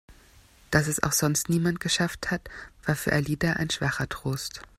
Dass es auch sonst niemand geschafft hatte, war für Alida ein schwacher Trost.